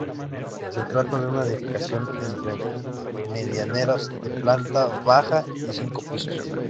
Se trata de una edificación entre medianeras, de planta baja y cinco pisos.